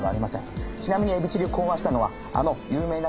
ちなみにエビチリを考案したのはあの有名な。